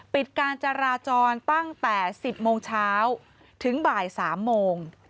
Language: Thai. ปิดการจราจรตั้งแต่๑๐โมงเช้าถึงบ่าย๓โมง